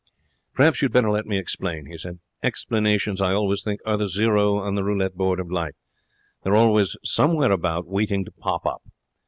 'Perhaps you had better let me explain,' he said. 'Explanations, I always think, are the zero on the roulette board of life. They're always somewhere about, waiting to pop up.